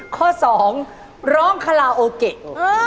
ข้อสองร้องคาลาโอเกะ